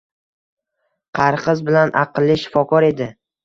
Qariqiz bilan aqlli shifokor edi.